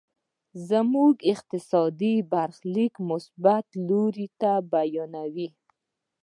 زموږ اقتصادي برخليک مثبت لوري ته بيايي.